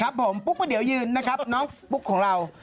ครับผมปุ๊กปะเดี่ยวยืนนะครับน้องปุ๊กของเรา